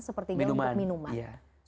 sepertiga untuk minuman